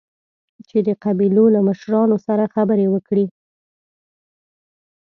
چې د قبيلو له مشرانو سره خبرې وکړي.